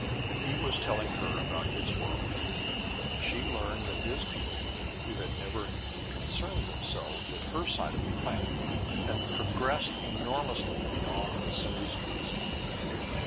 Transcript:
He was telling her about his world. She learned that his people, who had never concerned themselves with her side of the planet, had progressed enormously beyond the Sanusians.